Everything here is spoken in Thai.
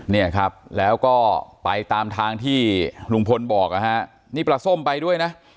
เนี่ยครับแล้วก็ไปตามทางที่ลุงพลบอกนะฮะนี่ปลาส้มไปด้วยนะ